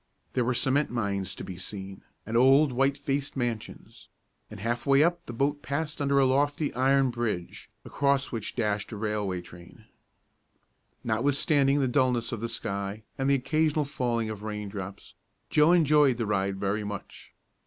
There were cement mines to be seen, and old white faced mansions; and half way up the boat passed under a lofty iron bridge across which dashed a railway train. Notwithstanding the dulness of the sky and the occasional falling of raindrops, Joe enjoyed the ride very much.